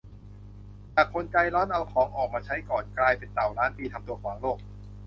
จากคนใจร้อน เอาของออกมาใช้ก่อน กลายเป็นเต่าล้านปี ทำตัวขวางโลก